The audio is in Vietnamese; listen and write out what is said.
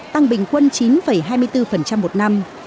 tăng bình quân chín hai mươi bốn một năm